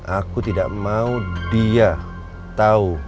aku tidak mau dia tahu